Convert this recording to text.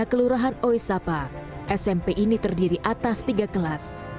di kelurahan oe sapa smp ini terdiri atas tiga kelas